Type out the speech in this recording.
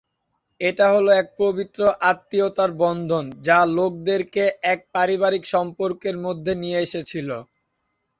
এটা হল এক পবিত্র আত্মীয়তার বন্ধন, যা লোকেদেরকে এক পারিবারিক সম্পর্কের মধ্যে নিয়ে এসেছিল।